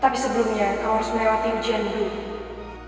tapi sebelumnya kamu harus melewati ujian dulu